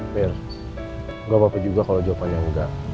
mir gak apa apa juga kalau jawabannya enggak